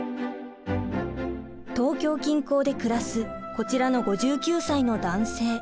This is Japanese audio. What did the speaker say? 東京近郊で暮らすこちらの５９歳の男性。